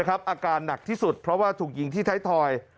อาการหนักที่สุดเพราะว่าถูกยิงที่ไทยทอย